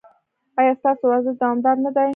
ایا ستاسو ورزش دوامدار نه دی؟